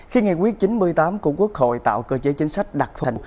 khi nghị quyết chín mươi tám của quốc hội tạo cơ chế chính sách đặc thù